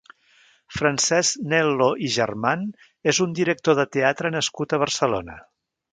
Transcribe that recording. Francesc Nel·lo i German és un director de teatre nascut a Barcelona.